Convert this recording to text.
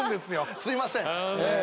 すみません。